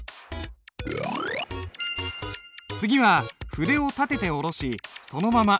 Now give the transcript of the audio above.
次は筆を立てて下ろしそのまま右に引く。